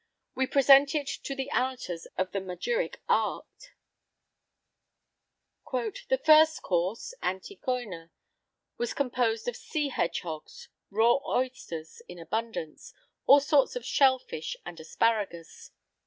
We present it to the amateurs of the magiric art: "The first course (ante cœna) was composed of sea hedgehogs, raw oysters in abundance, all sorts of shell fish, and asparagus.